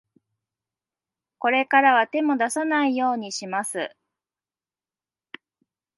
これからは、手も出さないようにします。